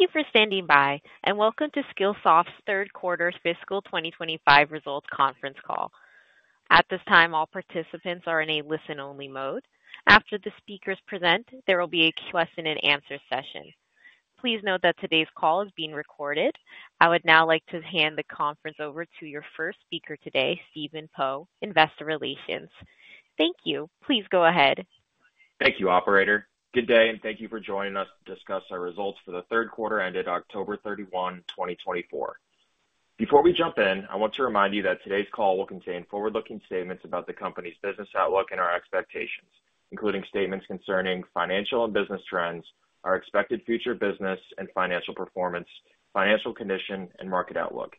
Thank you for standing by, and welcome to Skillsoft's Third Quarter Fiscal 2025 Results Conference Call. At this time, all participants are in a listen-only mode. After the speakers present, there will be a question-and-answer session. Please note that today's call is being recorded. I would now like to hand the conference over to your first speaker today, Stephen Poe, Investor Relations. Thank you. Please go ahead. Thank you, Operator. Good day, and thank you for joining us to discuss our results for the third quarter ended October 31, 2024. Before we jump in, I want to remind you that today's call will contain forward-looking statements about the company's business outlook and our expectations, including statements concerning financial and business trends, our expected future business and financial performance, financial condition, and market outlook.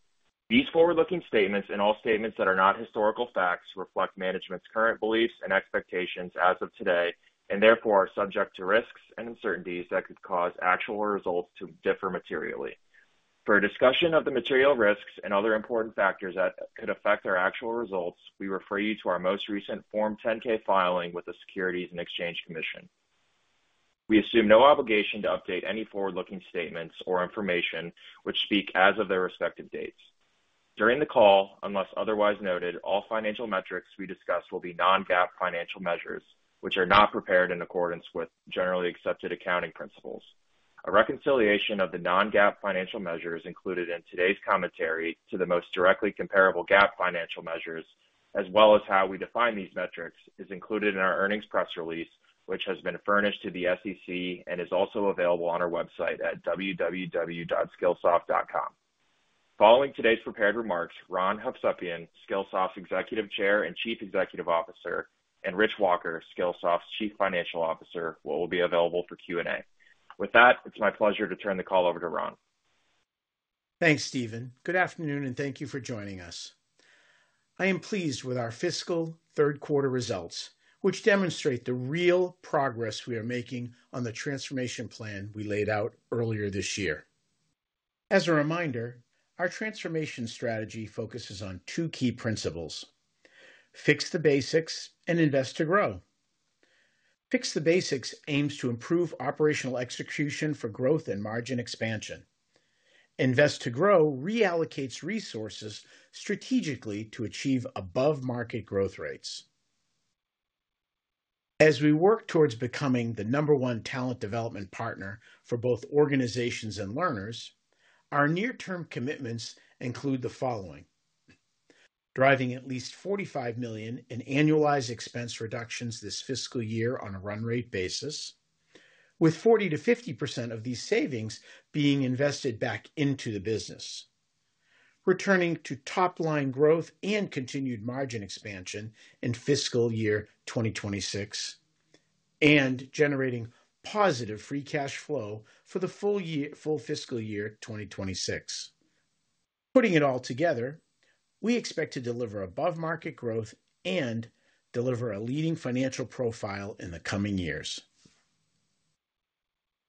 These forward-looking statements and all statements that are not historical facts reflect management's current beliefs and expectations as of today and therefore are subject to risks and uncertainties that could cause actual results to differ materially. For a discussion of the material risks and other important factors that could affect our actual results, we refer you to our most recent Form 10-K filing with the Securities and Exchange Commission. We assume no obligation to update any forward-looking statements or information which speak as of their respective dates. During the call, unless otherwise noted, all financial metrics we discuss will be non-GAAP financial measures, which are not prepared in accordance with generally accepted accounting principles. A reconciliation of the non-GAAP financial measures included in today's commentary to the most directly comparable GAAP financial measures, as well as how we define these metrics, is included in our earnings press release, which has been furnished to the SEC and is also available on our website at www.skillsoft.com. Following today's prepared remarks, Ron Hovsepian, Skillsoft's Executive Chair and Chief Executive Officer, and Rich Walker, Skillsoft's Chief Financial Officer, will be available for Q&A. With that, it's my pleasure to turn the call over to Ron. Thanks, Stephen. Good afternoon, and thank you for joining us. I am pleased with our fiscal third quarter results, which demonstrate the real progress we are making on the transformation plan we laid out earlier this year. As a reminder, our transformation strategy focuses on two key principles: Fix the Basics and Invest to Grow. Fix the Basics aims to improve operational execution for growth and margin expansion. Invest to Grow reallocates resources strategically to achieve above-market growth rates. As we work towards becoming the number one talent development partner for both organizations and learners, our near-term commitments include the following: driving at least $45 million in annualized expense reductions this fiscal year on a run rate basis, with 40%-50% of these savings being invested back into the business, returning to top-line growth and continued margin expansion in fiscal year 2026, and generating positive free cash flow for the full fiscal year 2026. Putting it all together, we expect to deliver above-market growth and deliver a leading financial profile in the coming years.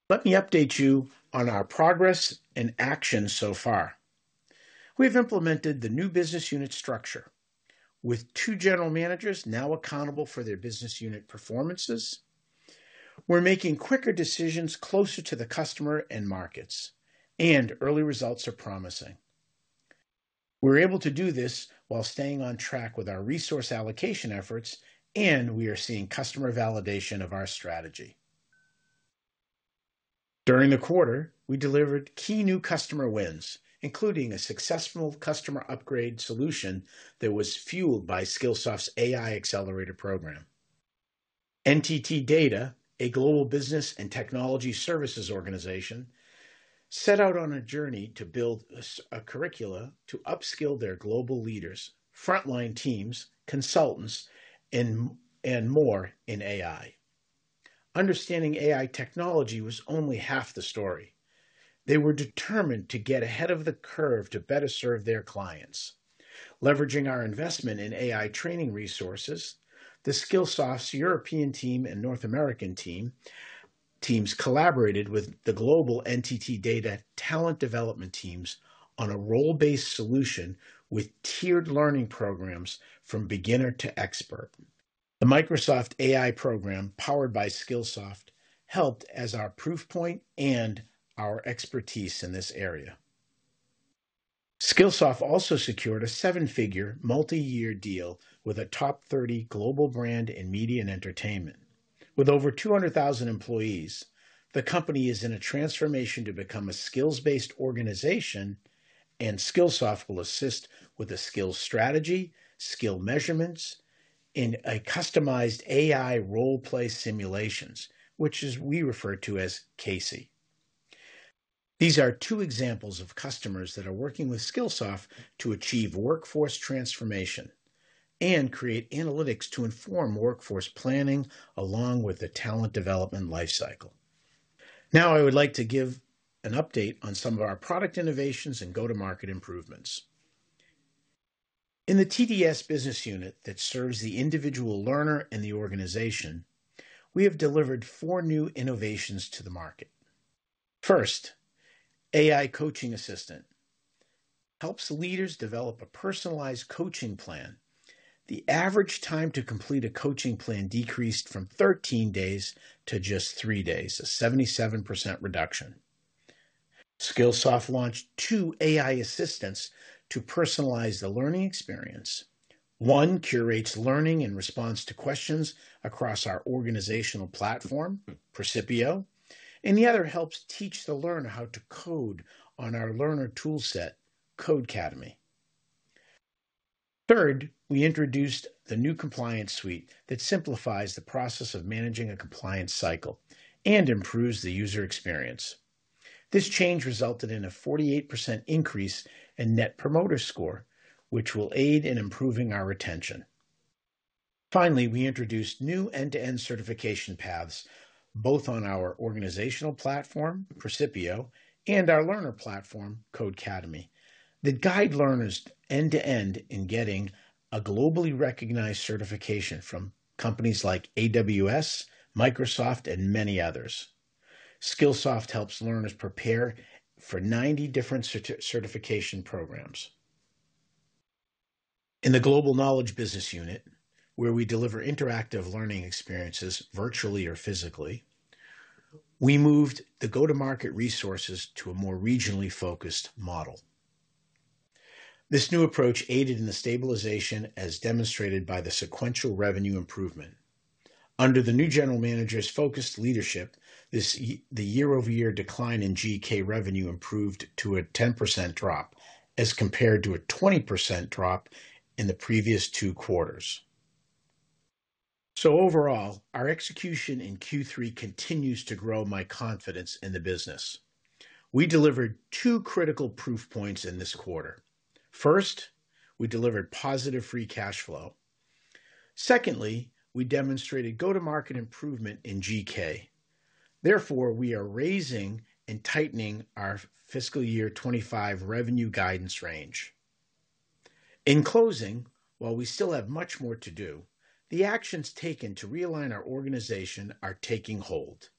Let me update you on our progress and actions so far. We have implemented the new business unit structure, with two general managers now accountable for their business unit performances. We're making quicker decisions closer to the customer and markets, and early results are promising. We're able to do this while staying on track with our resource allocation efforts, and we are seeing customer validation of our strategy. During the quarter, we delivered key new customer wins, including a successful customer upgrade solution that was fueled by Skillsoft's AI accelerator program. NTT DATA, a global business and technology services organization, set out on a journey to build a curriculum to upskill their global leaders, frontline teams, consultants, and more in AI. Understanding AI technology was only half the story. They were determined to get ahead of the curve to better serve their clients. Leveraging our investment in AI training resources, Skillsoft's European team and North American team collaborated with the global NTT DATA talent development teams on a role-based solution with tiered learning programs from beginner to expert. The Microsoft AI Program, powered by Skillsoft, helped as our proof point and our expertise in this area. Skillsoft also secured a seven-figure multi-year deal with a top 30 global brand in media and entertainment. With over 200,000 employees, the company is in a transformation to become a skills-based organization, and Skillsoft will assist with the skills strategy, skill measurements, and customized AI role-play simulations, which we refer to as CAISY. These are two examples of customers that are working with Skillsoft to achieve workforce transformation and create analytics to inform workforce planning along with the talent development lifecycle. Now, I would like to give an update on some of our product innovations and go-to-market improvements. In the TDS business unit that serves the individual learner and the organization, we have delivered four new innovations to the market. First, AI Coaching Assistant helps leaders develop a personalized coaching plan. The average time to complete a coaching plan decreased from 13 days to just three days, a 77% reduction. Skillsoft launched two AI assistants to personalize the learning experience. One curates learning and response to questions across our organizational platform, Percipio, and the other helps teach the learner how to code on our learner toolset, Codecademy. Third, we introduced the new Compliance Suite that simplifies the process of managing a compliance cycle and improves the user experience. This change resulted in a 48% increase in Net Promoter Score, which will aid in improving our retention. Finally, we introduced new end-to-end certification paths both on our organizational platform, Percipio, and our learner platform, Codecademy, that guide learners end-to-end in getting a globally recognized certification from companies like AWS, Microsoft, and many others. Skillsoft helps learners prepare for 90 different certification programs. In the Global Knowledge business unit, where we deliver interactive learning experiences virtually or physically, we moved the go-to-market resources to a more regionally focused model. This new approach aided in the stabilization, as demonstrated by the sequential revenue improvement. Under the new general manager's focused leadership, the year-over-year decline in GK revenue improved to a 10% drop as compared to a 20% drop in the previous two quarters. So overall, our execution in Q3 continues to grow my confidence in the business. We delivered two critical proof points in this quarter. First, we delivered positive free cash flow. Secondly, we demonstrated go-to-market improvement in GK. Therefore, we are raising and tightening our fiscal year 2025 revenue guidance range. In closing, while we still have much more to do, the actions taken to realign our organization are taking hold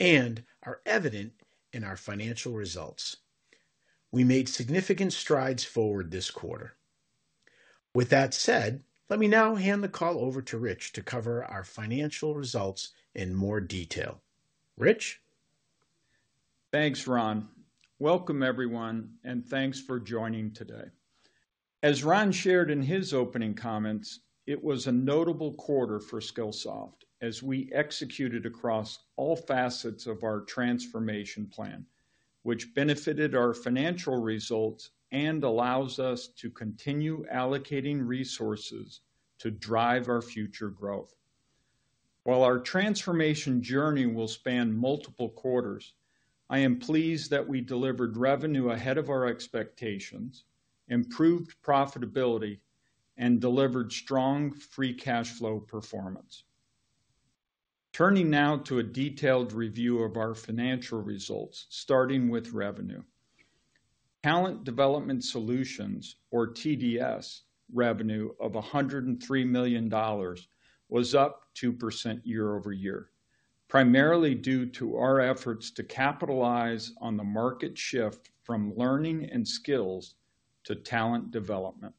and are evident in our financial results. We made significant strides forward this quarter. With that said, let me now hand the call over to Rich to cover our financial results in more detail. Rich? Thanks, Ron. Welcome, everyone, and thanks for joining today. As Ron shared in his opening comments, it was a notable quarter for Skillsoft as we executed across all facets of our transformation plan, which benefited our financial results and allows us to continue allocating resources to drive our future growth. While our transformation journey will span multiple quarters, I am pleased that we delivered revenue ahead of our expectations, improved profitability, and delivered strong free cash flow performance. Turning now to a detailed review of our financial results, starting with revenue. Talent Development Solutions, or TDS, revenue of $103 million was up 2% year-over-year, primarily due to our efforts to capitalize on the market shift from learning and skills to talent development.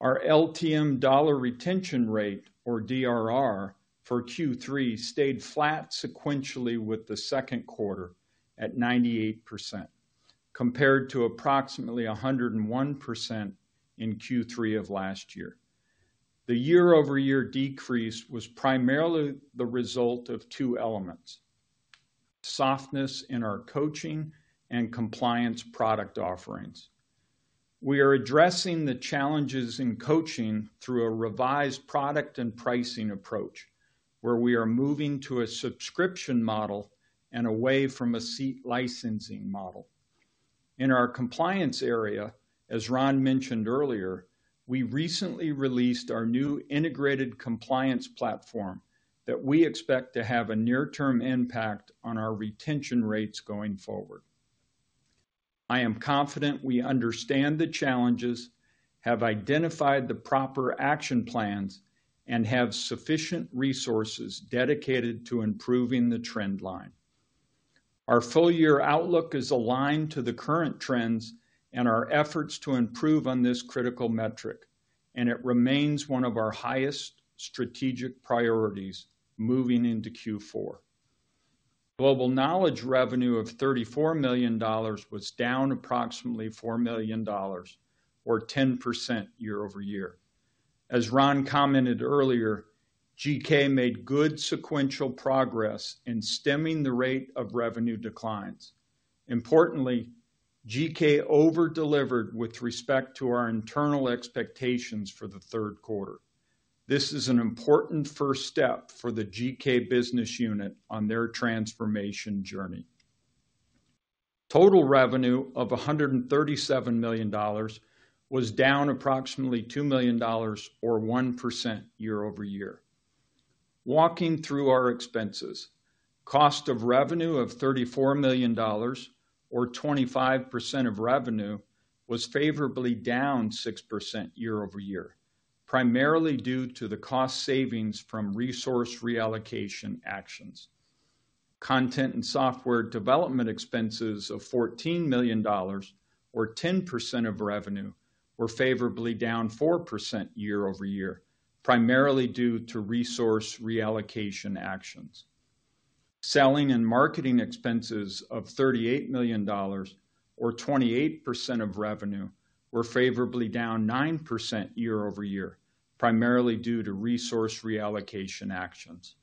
Our LTM dollar retention rate, or DRR, for Q3 stayed flat sequentially with the second quarter at 98%, compared to approximately 101% in Q3 of last year. The year-over-year decrease was primarily the result of two elements: softness in our coaching and compliance product offerings. We are addressing the challenges in coaching through a revised product and pricing approach, where we are moving to a subscription model and away from a seat licensing model. In our compliance area, as Ron mentioned earlier, we recently released our new integrated compliance platform that we expect to have a near-term impact on our retention rates going forward. I am confident we understand the challenges, have identified the proper action plans, and have sufficient resources dedicated to improving the trend line. Our full-year outlook is aligned to the current trends and our efforts to improve on this critical metric, and it remains one of our highest strategic priorities moving into Q4. Global Knowledge revenue of $34 million was down approximately $4 million, or 10% year-over-year. As Ron commented earlier, GK made good sequential progress in stemming the rate of revenue declines. Importantly, GK over-delivered with respect to our internal expectations for the third quarter. This is an important first step for the GK business unit on their transformation journey. Total revenue of $137 million was down approximately $2 million, or 1% year-over-year. Walking through our expenses, cost of revenue of $34 million, or 25% of revenue, was favorably down 6% year-over-year, primarily due to the cost savings from resource reallocation actions. Content and software development expenses of $14 million, or 10% of revenue, were favorably down 4% year-over-year, primarily due to resource reallocation actions. Selling and marketing expenses of $38 million, or 28% of revenue, were favorably down 9% year-over-year, primarily due to resource reallocation actions.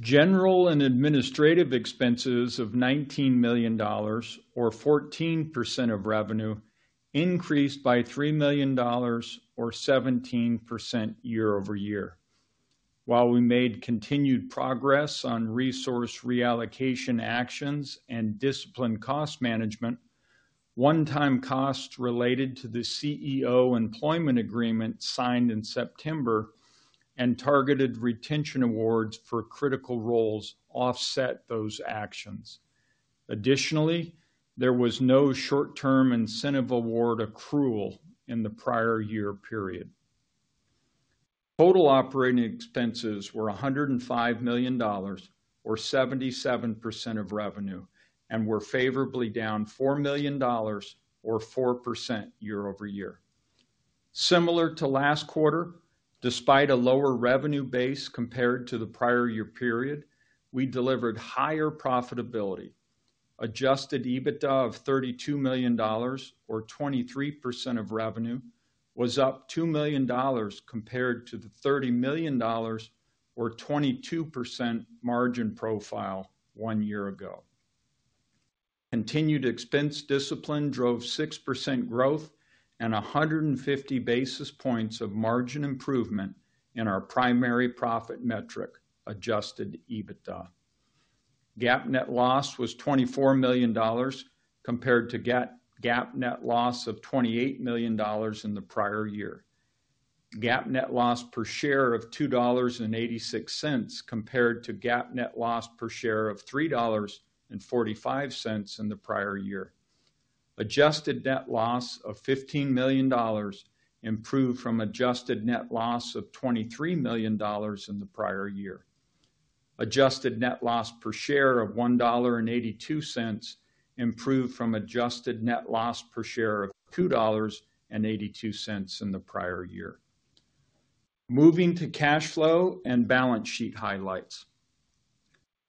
General and administrative expenses of $19 million, or 14% of revenue, increased by $3 million, or 17% year-over-year. While we made continued progress on resource reallocation actions and disciplined cost management, one-time costs related to the CEO employment agreement signed in September and targeted retention awards for critical roles offset those actions. Additionally, there was no short-term incentive award accrual in the prior year period. Total operating expenses were $105 million, or 77% of revenue, and were favorably down $4 million, or 4% year-over-year. Similar to last quarter, despite a lower revenue base compared to the prior year period, we delivered higher profitability. Adjusted EBITDA of $32 million, or 23% of revenue, was up $2 million compared to the $30 million, or 22% margin profile one year ago. Continued expense discipline drove 6% growth and 150 basis points of margin improvement in our primary profit metric, adjusted EBITDA. GAAP net loss was $24 million compared to GAAP net loss of $28 million in the prior year. GAAP net loss per share of $2.86 compared to GAAP net loss per share of $3.45 in the prior year. Adjusted net loss of $15 million improved from adjusted net loss of $23 million in the prior year. Adjusted net loss per share of $1.82 improved from adjusted net loss per share of $2.82 in the prior year. Moving to cash flow and balance sheet highlights.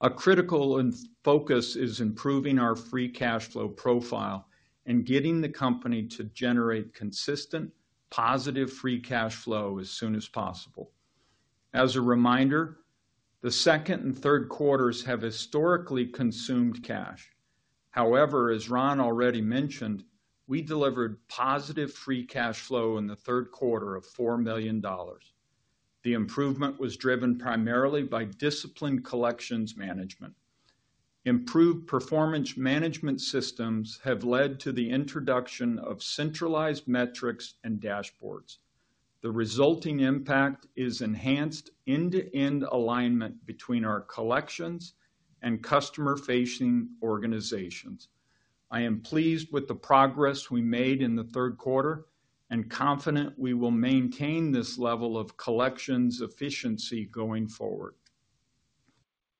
A critical focus is improving our free cash flow profile and getting the company to generate consistent positive free cash flow as soon as possible. As a reminder, the second and third quarters have historically consumed cash. However, as Ron already mentioned, we delivered positive free cash flow in the third quarter of $4 million. The improvement was driven primarily by disciplined collections management. Improved performance management systems have led to the introduction of centralized metrics and dashboards. The resulting impact is enhanced end-to-end alignment between our collections and customer-facing organizations. I am pleased with the progress we made in the third quarter and confident we will maintain this level of collections efficiency going forward.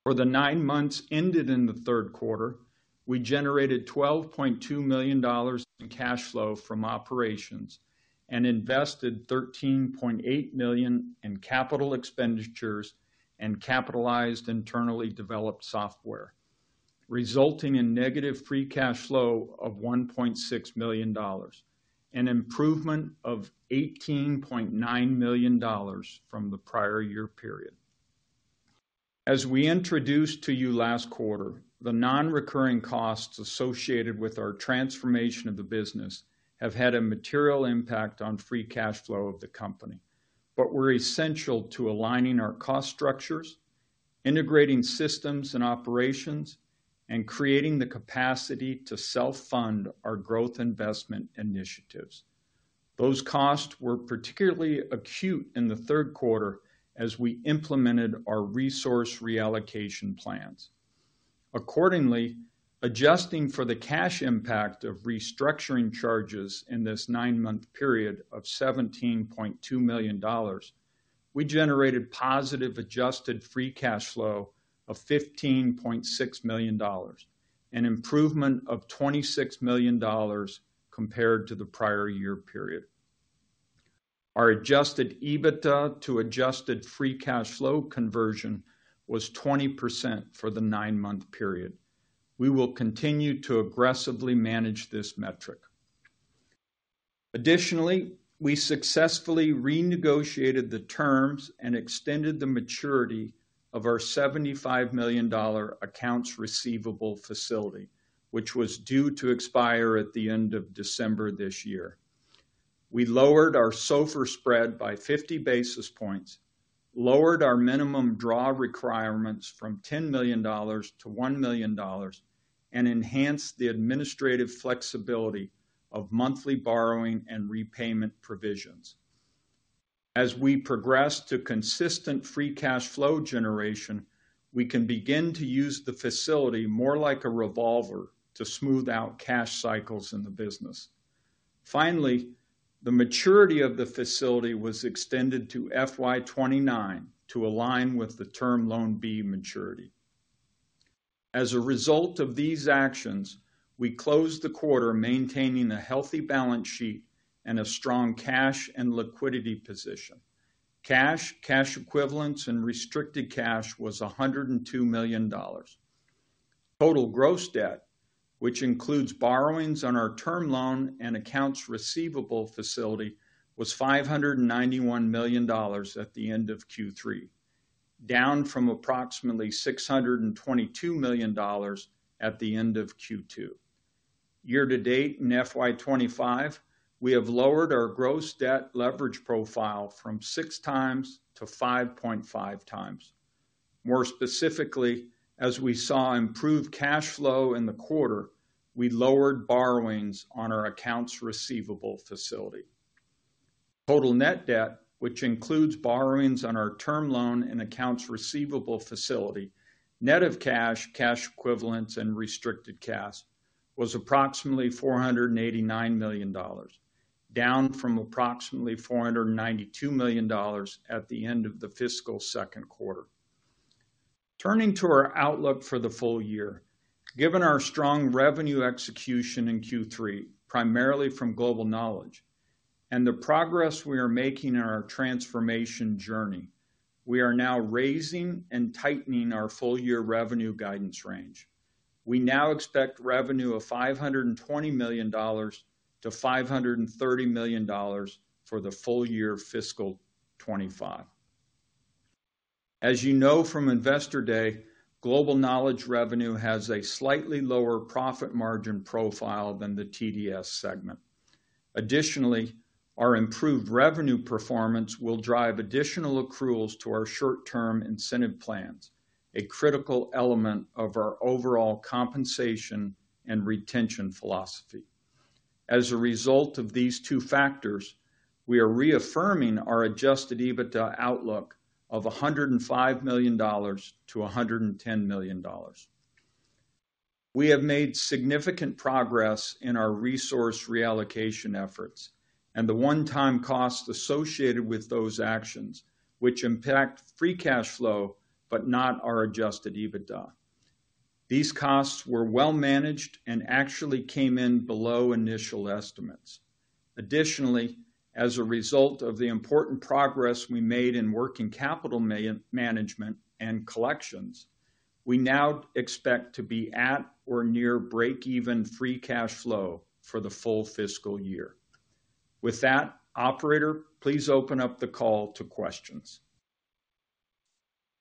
For the nine months ended in the third quarter, we generated $12.2 million in cash flow from operations and invested $13.8 million in capital expenditures and capitalized internally developed software, resulting in negative free cash flow of $1.6 million and improvement of $18.9 million from the prior year period. As we introduced to you last quarter, the non-recurring costs associated with our transformation of the business have had a material impact on free cash flow of the company, but were essential to aligning our cost structures, integrating systems and operations, and creating the capacity to self-fund our growth investment initiatives. Those costs were particularly acute in the third quarter as we implemented our resource reallocation plans. Accordingly, adjusting for the cash impact of restructuring charges in this nine-month period of $17.2 million, we generated positive adjusted free cash flow of $15.6 million and improvement of $26 million compared to the prior year period. Our adjusted EBITDA to adjusted free cash flow conversion was 20% for the nine-month period. We will continue to aggressively manage this metric. Additionally, we successfully renegotiated the terms and extended the maturity of our $75 million accounts receivable facility, which was due to expire at the end of December this year. We lowered our SOFR spread by 50 basis points, lowered our minimum draw requirements from $10 million to $1 million, and enhanced the administrative flexibility of monthly borrowing and repayment provisions. As we progress to consistent free cash flow generation, we can begin to use the facility more like a revolver to smooth out cash cycles in the business. Finally, the maturity of the facility was extended to FY29 to align with the Term Loan B maturity. As a result of these actions, we closed the quarter maintaining a healthy balance sheet and a strong cash and liquidity position. Cash, cash equivalents, and restricted cash was $102 million. Total gross debt, which includes borrowings on our term loan and accounts receivable facility, was $591 million at the end of Q3, down from approximately $622 million at the end of Q2. Year to date in FY25, we have lowered our gross debt leverage profile from six times to 5.5 times. More specifically, as we saw improved cash flow in the quarter, we lowered borrowings on our accounts receivable facility. Total net debt, which includes borrowings on our term loan and accounts receivable facility, net of cash, cash equivalents, and restricted cash, was approximately $489 million, down from approximately $492 million at the end of the fiscal second quarter. Turning to our outlook for the full year, given our strong revenue execution in Q3, primarily from Global Knowledge, and the progress we are making in our transformation journey, we are now raising and tightening our full-year revenue guidance range. We now expect revenue of $520 million-$530 million for the full year fiscal 2025. As you know from investor day, Global Knowledge revenue has a slightly lower profit margin profile than the TDS segment. Additionally, our improved revenue performance will drive additional accruals to our short-term incentive plans, a critical element of our overall compensation and retention philosophy. As a result of these two factors, we are reaffirming our Adjusted EBITDA outlook of $105 million-$110 million. We have made significant progress in our resource reallocation efforts and the one-time costs associated with those actions, which impact free cash flow but not our Adjusted EBITDA. These costs were well managed and actually came in below initial estimates. Additionally, as a result of the important progress we made in working capital management and collections, we now expect to be at or near break-even free cash flow for the full fiscal year. With that, Operator, please open up the call to questions.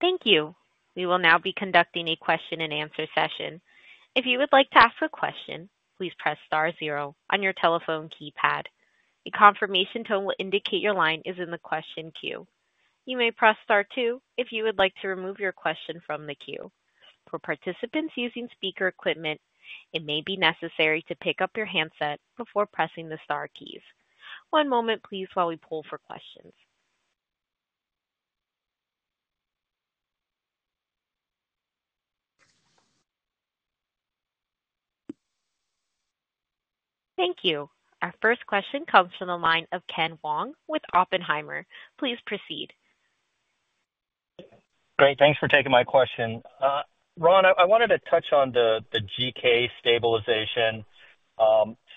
Thank you. We will now be conducting a question and answer session. If you would like to ask a question, please press star zero on your telephone keypad. A confirmation tone will indicate your line is in the question queue. You may press star two if you would like to remove your question from the queue. For participants using speaker equipment, it may be necessary to pick up your handset before pressing the star keys. One moment, please, while we poll for questions. Thank you. Our first question comes from the line of Ken Wong with Oppenheimer. Please proceed. Great. Thanks for taking my question. Ron, I wanted to touch on the GK stabilization.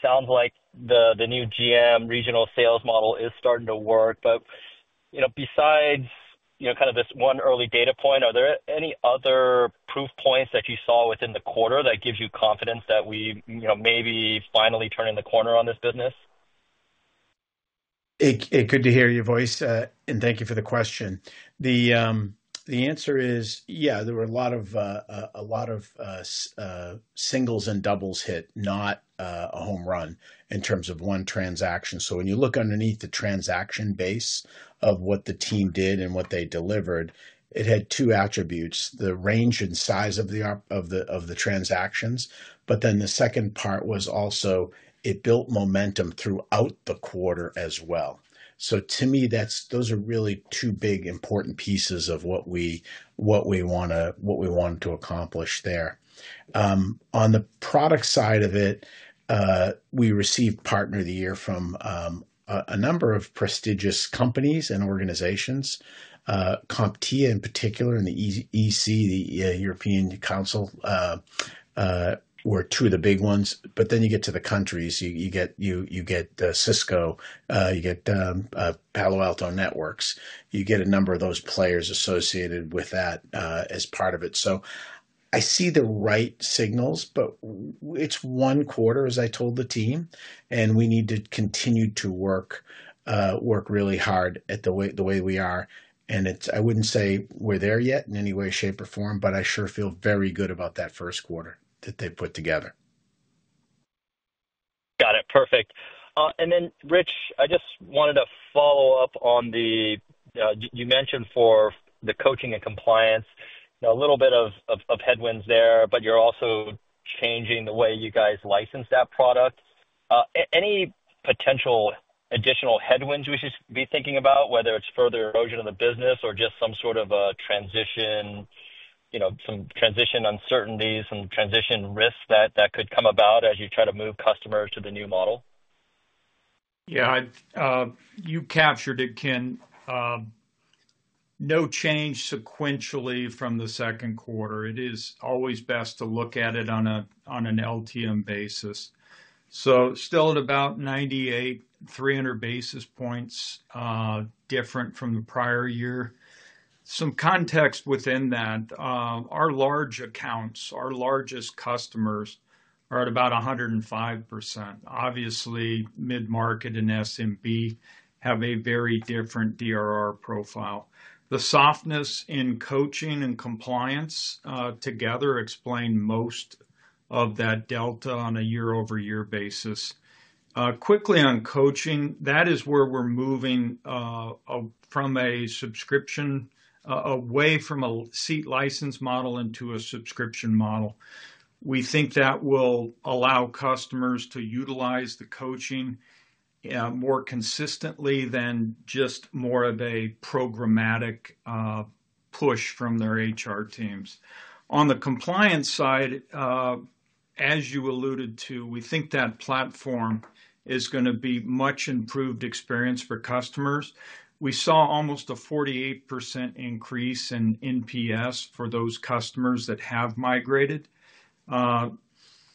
Sounds like the new GM regional sales model is starting to work. But besides kind of this one early data point, are there any other proof points that you saw within the quarter that gives you confidence that we may be finally turning the corner on this business? Good to hear your voice, and thank you for the question. The answer is, yeah, there were a lot of singles and doubles hit, not a home run in terms of one transaction. So when you look underneath the transaction base of what the team did and what they delivered, it had two attributes: the range and size of the transactions. But then the second part was also it built momentum throughout the quarter as well. So to me, those are really two big important pieces of what we want to accomplish there. On the product side of it, we received Partner of the Year from a number of prestigious companies and organizations. CompTIA in particular, and the EC-Council, were two of the big ones. But then you get to the countries, you get Cisco, you get Palo Alto Networks, you get a number of those players associated with that as part of it. So I see the right signals, but it's one quarter, as I told the team, and we need to continue to work really hard at the way we are. And I wouldn't say we're there yet in any way, shape, or form, but I sure feel very good about that first quarter that they put together. Got it. Perfect. And then, Rich, I just wanted to follow up on that you mentioned for the coaching and compliance, a little bit of headwinds there, but you're also changing the way you guys license that product. Any potential additional headwinds we should be thinking about, whether it's further erosion of the business or just some sort of a transition, some transition uncertainties, some transition risks that could come about as you try to move customers to the new model? Yeah, you captured it, Ken. No change sequentially from the second quarter. It is always best to look at it on an LTM basis, so still at about 98%, 300 basis points different from the prior year. Some context within that, our large accounts, our largest customers are at about 105%. Obviously, mid-market and SMB have a very different DRR profile. The softness in coaching and compliance together explain most of that delta on a year-over-year basis. Quickly on coaching, that is where we're moving from a subscription, away from a seat license model into a subscription model. We think that will allow customers to utilize the coaching more consistently than just more of a programmatic push from their HR teams. On the compliance side, as you alluded to, we think that platform is going to be much improved experience for customers. We saw almost a 48% increase in NPS for those customers that have migrated.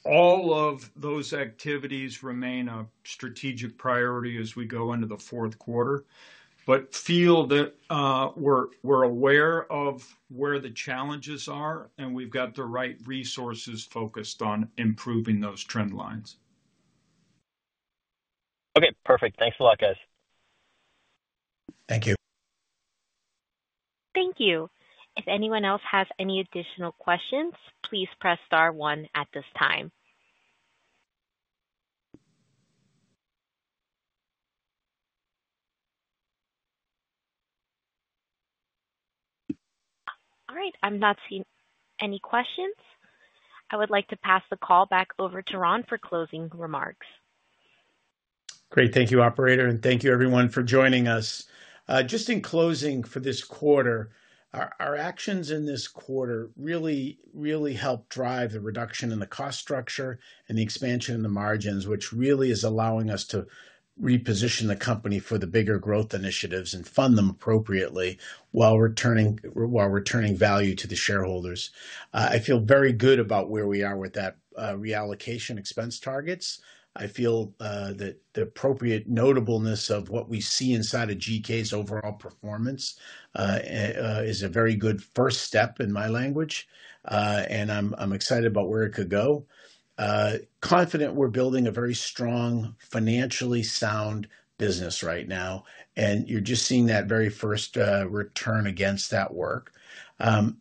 All of those activities remain a strategic priority as we go into the fourth quarter, but we feel that we're aware of where the challenges are and we've got the right resources focused on improving those trend lines. Okay. Perfect. Thanks a lot, guys. Thank you. Thank you. If anyone else has any additional questions, please press star one at this time. All right. I'm not seeing any questions. I would like to pass the call back over to Ron for closing remarks. Great. Thank you, Operator, and thank you, everyone, for joining us. Just in closing for this quarter, our actions in this quarter really, really helped drive the reduction in the cost structure and the expansion in the margins, which really is allowing us to reposition the company for the bigger growth initiatives and fund them appropriately while returning value to the shareholders. I feel very good about where we are with that reallocation expense targets. I feel that the appropriate noteworthiness of what we see inside of GK's overall performance is a very good first step in my language, and I'm excited about where it could go. Confident we're building a very strong, financially sound business right now, and you're just seeing that very first return against that work.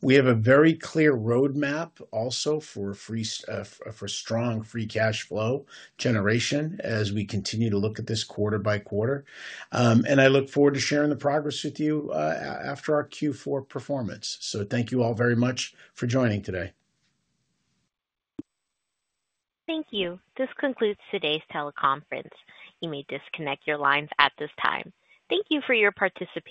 We have a very clear roadmap also for strong free cash flow generation as we continue to look at this quarter by quarter, and I look forward to sharing the progress with you after our Q4 performance. So thank you all very much for joining today. Thank you. This concludes today's teleconference. You may disconnect your lines at this time. Thank you for your participation.